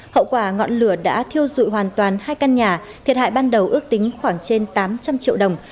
hậu quả ngọn lửa đã thiêu dụi hoàn toàn hai căn nhà thiệt hại ban đầu ước tính khoảng trên tám trăm linh triệu đồng